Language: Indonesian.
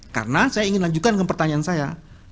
karena saya ingin lanjutkan ke pertanyaan saya